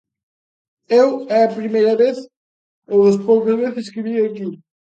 Eu, é a primeira vez ou das poucas veces que vin aquí.